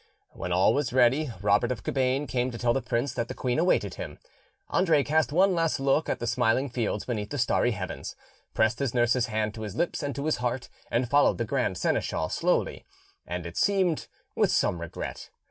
When all was ready, Robert of Cabane came to tell the prince that the queen awaited him; Andre cast one last look at the smiling fields beneath the starry heavens, pressed his nurse's hand to his lips and to his heart, and followed the grand seneschal slowly and, it seemed, with some regret.